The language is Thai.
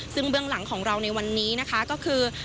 ซึ่งเบื้องหลังของเราในวันนี้นะคะก็คือ